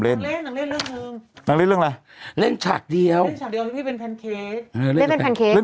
เป็นการกระตุ้นการไหลเวียนของเลือด